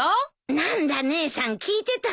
何だ姉さん聞いてたんだ。